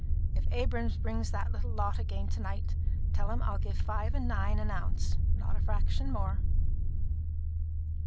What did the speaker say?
If Abrahams brings that little lot again to night, tell him I'll give five and nine an ounce, not a fraction more."